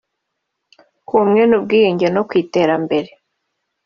ku bumwe n’ubwiyunge no ku iterambere